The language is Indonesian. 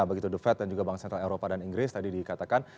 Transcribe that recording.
begitu the fed dan juga bank sentral eropa dan inggris tadi dikatakan